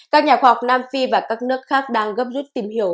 các nhà khoa học nam phi và các nước khác đang gấp rút tìm hiểu